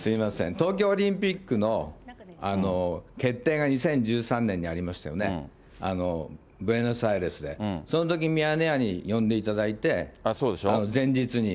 東京オリンピックの決定が２０１３年にありましたよね、ブエノスアイレスで、そのときミヤネ屋に呼んでいただいて、前日に。